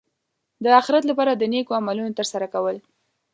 د اخرت لپاره د نېکو عملونو ترسره کول.